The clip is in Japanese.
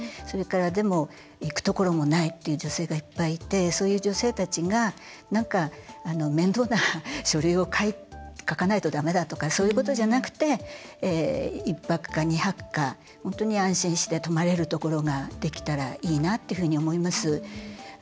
それから、でも行くところもないっていう女性が、いっぱいいてそういう女性たちが面倒な書類を書かないとだめだとかそういうことじゃなくて１泊か２泊か本当に安心して泊まれるところができたらいいなっていうふうに思います。